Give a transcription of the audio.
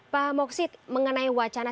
pak moksit mengenai wacana